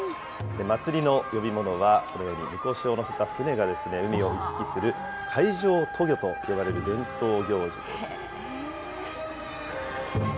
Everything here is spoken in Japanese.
まつりの呼び物は、このようにみこしを乗せた船が海を行き来する海上渡御と呼ばれる伝統行事です。